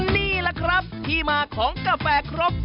นี่แหละครับที่มาของกาแฟครก